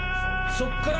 そこから。